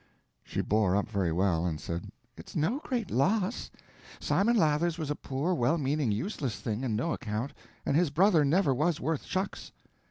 She bore up very well, and said: "It's no great loss. Simon Lathers was a poor well meaning useless thing and no account, and his brother never was worth shucks."